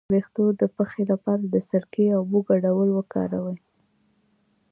د ویښتو د پخې لپاره د سرکې او اوبو ګډول وکاروئ